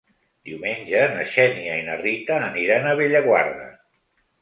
Diumenge na Xènia i na Rita aniran a Bellaguarda.